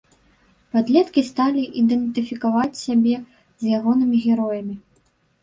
Падлеткі сталі ідэнтыфікаваць сябе з ягонымі героямі.